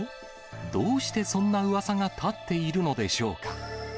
どうしてそんなうわさが立っているのでしょうか。